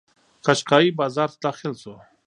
قشقایي بازار ته داخل شو.